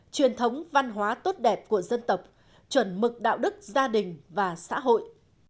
truyền thống văn hóa tốt đẹp của dân tộc chuẩn mực đạo đức gia đình và xã hội